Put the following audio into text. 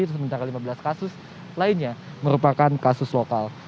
sementara lima belas kasus lainnya merupakan kasus lokal